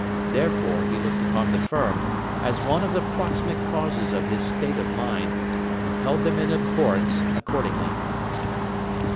Therefore, he looked upon the Firm as one of the proximate causes of his state of mind, and held them in abhorrence accordingly.